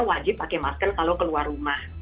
wajib pakai masker kalau keluar rumah